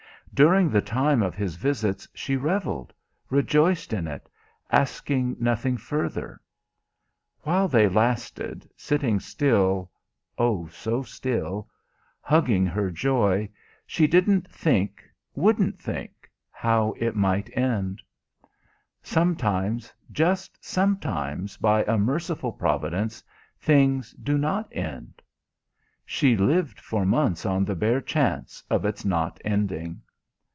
During the time of his visits she revelled, rejoiced in it, asking nothing further. While they lasted, sitting still (Oh, so still), hugging her joy, she didn't think, wouldn't think, how it might end. Sometimes, just sometimes, by a merciful providence, things do not end. She lived for months on the bare chance of its not ending.